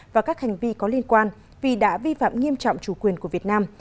và các hành vi có liên quan vì đã vi phạm nghiêm trọng chủ quyền của việt nam